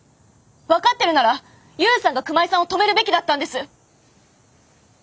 分かってるなら勇さんが熊井さんを止めるべきだったんです！